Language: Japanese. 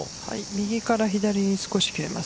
右から左に少し切れます。